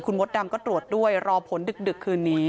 มดดำก็ตรวจด้วยรอผลดึกคืนนี้